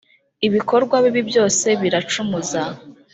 ibikorwa bibi byose biracumuza